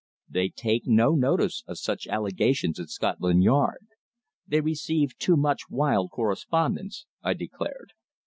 "They take no notice of such allegations at Scotland Yard. They receive too much wild correspondence," I declared.